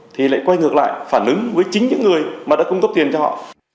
thì lại quay ngược lại phản ứng với chính những người mà đã cung cấp tiền cho họ